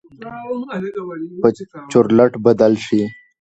به چورلټ بدل شي.